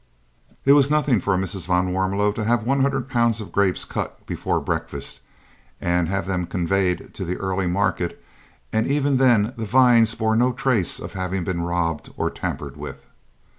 It was nothing for Mrs. van Warmelo to have 100 lb. of grapes cut before breakfast and have them conveyed to the early market, and even then the vines bore no trace of having been robbed or tampered with.